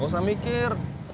gak usah mikir